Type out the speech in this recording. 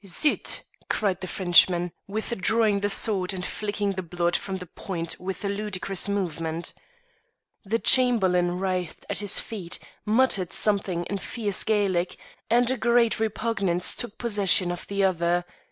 "Zut!" cried the Frenchman, withdrawing the sword and flicking the blood from the point with a ludicrous movement. The Chamberlain writhed at his feet, muttered something fierce in Gaelic, and a great repugnance took possession of the other.